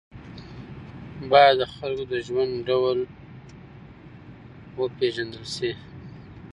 باید د خلکو د ژوند ډول وپېژندل سي.